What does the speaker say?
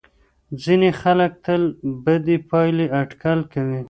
ځینې خلک تل بدې پایلې اټکل کوي.